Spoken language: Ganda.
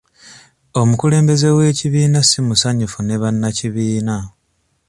Omukulembeze w'ekibiina simusanyufu ne bannakibiina.